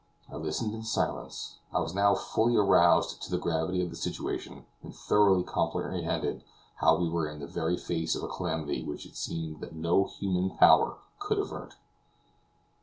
I listened in silence. I was now fully aroused to the gravity of the situation and thoroughly comprehended how we were in the very face of a calamity which it seemed that no human power could avert.